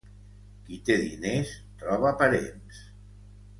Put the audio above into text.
Qui té diners troba parents.